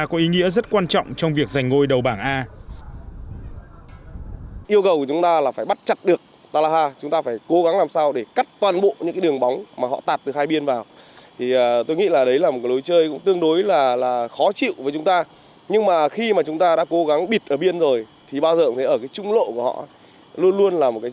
có ý nghĩa rất quan trọng trong việc giành ngôi đầu bảng a